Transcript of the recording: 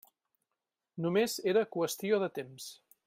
Només era qüestió de temps.